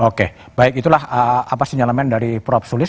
oke baik itulah apa sinyalemen dari prof sulis